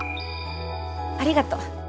ありがとう。